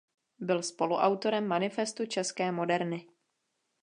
Byl spoluautorem "Manifestu České moderny".